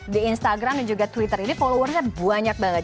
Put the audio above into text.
di instagram dan juga twitter ini followernya banyak banget